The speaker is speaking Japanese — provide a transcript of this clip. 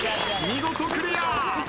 見事クリア。